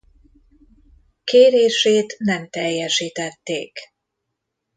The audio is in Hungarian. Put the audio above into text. Kérését nem teljesítették.